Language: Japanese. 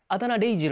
ジル？